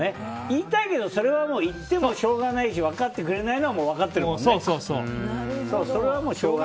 言いたいけどそれは言ってもしょうがないし分かってくれないのはもう分かってるもんね。